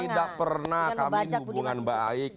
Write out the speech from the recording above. tidak pernah kami hubungan baik